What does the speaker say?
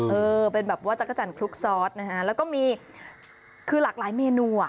เออเป็นแบบว่าจักรจันทร์คลุกซอสนะฮะแล้วก็มีคือหลากหลายเมนูอ่ะ